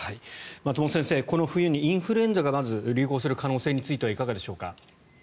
松本先生この冬にインフルエンザがまず流行する可能性についてはいかがでしょうか。